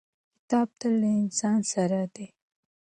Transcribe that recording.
کتاب تل له انسان سره دی.